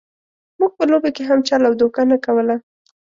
موږ په لوبو کې هم چل او دوکه نه کوله.